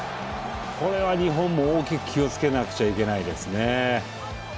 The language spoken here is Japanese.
これは日本も大きく気をつけなくちゃいけないですね。